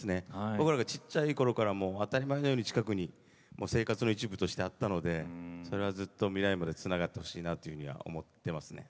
僕らがちっちゃいころから当たり前のように近くに生活の一部としてあるので未来につながってほしいなと思いますね。